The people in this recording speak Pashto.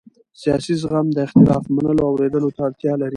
سیاسي زغم د اختلاف منلو او اورېدو ته اړتیا لري